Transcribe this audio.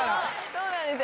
そうなんです。